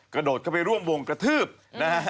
กระโดดเข้าไปร่วมวงกระทืบนะฮะ